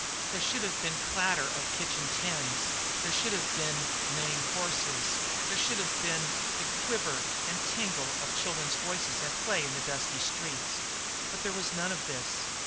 There should have been clatter of kitchen tins; there should have been neighing of horses; there should have been the quiver and tingle of children's voices at play in the dusty streets. But there was none of this.